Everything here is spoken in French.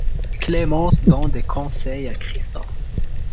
Clémence donne des conseils à Christophe.